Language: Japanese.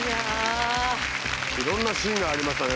いろんなシーンがありましたね。